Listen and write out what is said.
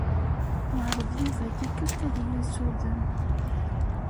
Yeɛṛeḍ Yuba tikkelt ad iyi-ssuden.